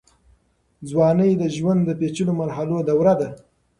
ځوانۍ د ژوند د پېچلو مرحلو دوره ده.